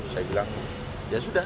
saya bilang ya sudah